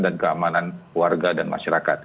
dan keamanan warga dan masyarakat